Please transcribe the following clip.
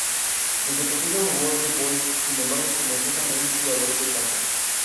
Desde pequeño jugó al fútbol, sin embargo comenzó como un jugador de campo.